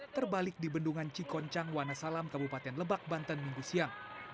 terbalik di bendungan cikoncang wanasalam kabupaten lebak banten minggu siang